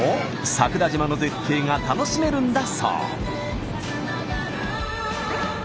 桜島の絶景が楽しめるんだそう。